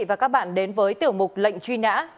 và các bạn đến với tiểu mục lệnh truy nã